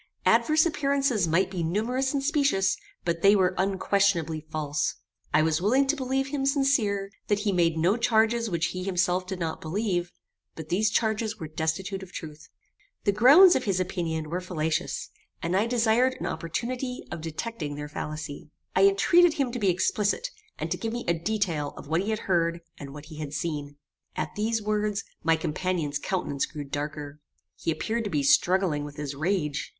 Adverse appearances might be numerous and specious, but they were unquestionably false. I was willing to believe him sincere, that he made no charges which he himself did not believe; but these charges were destitute of truth. The grounds of his opinion were fallacious; and I desired an opportunity of detecting their fallacy. I entreated him to be explicit, and to give me a detail of what he had heard, and what he had seen. At these words, my companion's countenance grew darker. He appeared to be struggling with his rage.